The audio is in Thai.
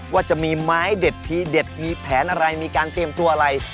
ว่าจะมีไม้เด็ดทีเด็ดมีแผนอะไรมีการเตรียมตัวอะไร